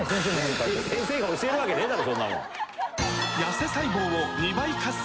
先生が教えるわけねえだろ